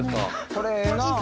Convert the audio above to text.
「これええな！」